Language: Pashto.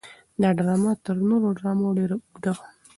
دا ډرامه تر نورو ډرامو ډېره اوږده وه.